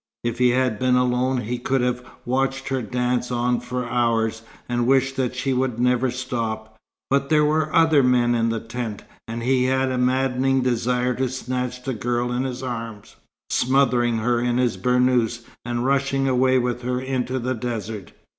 If he had been alone, he could have watched her dance on for hours, and wished that she would never stop; but there were other men in the tent, and he had a maddening desire to snatch the girl in his arms, smothering her in his burnous, and rushing away with her into the desert.